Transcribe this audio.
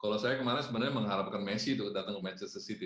kalau saya kemarin sebenarnya mengharapkan messi untuk datang ke manchester city